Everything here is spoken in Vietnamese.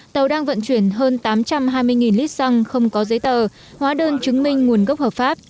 tàu đang vận chuyển hơn tám trăm hai mươi lít xăng không có giấy tờ hóa đơn chứng minh nguồn gốc hợp pháp